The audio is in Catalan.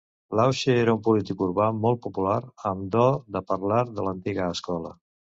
Lausche era un polític urbà molt popular amb do de parlar de l"antiga escola.